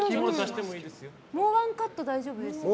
もう１カット、大丈夫ですよ。